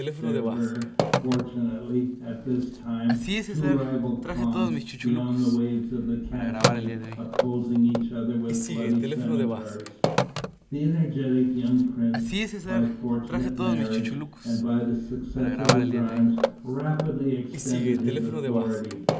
There were, fortunately, at this time, two rival khans beyond the waves of the Caspian opposing each other with bloody cimeters. The energetic young prince, by fortunate marriage, and by the success of his arms, rapidly extended his authority.